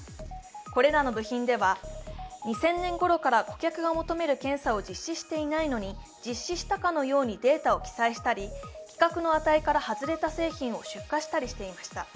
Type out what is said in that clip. これらの部品では２０００年ごろから顧客が求める検査を実施していないのに実施したかのようにデータを記載したり、規格の値から外れた製品を出荷したりしていました。